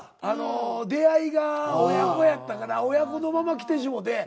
あの出会いが親子やったから親子のまま来てしもて。